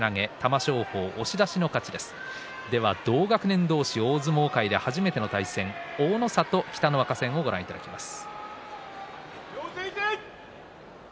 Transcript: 同学年同士大相撲界で初めての対戦大の里、北の若戦をご覧いただきます。